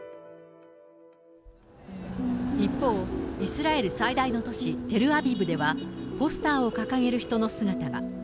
一方、イスラエル最大の都市テルアビブでは、ポスターを掲げる人の姿が。